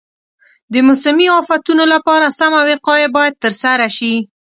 د موسمي افتونو لپاره سمه وقایه باید ترسره شي.